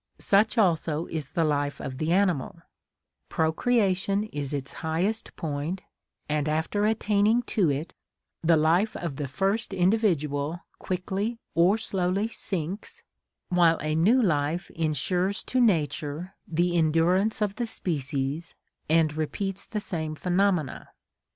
Such also is the life of the animal; procreation is its highest point, and after attaining to it, the life of the first individual quickly or slowly sinks, while a new life ensures to nature the endurance of the species and repeats the same phenomena.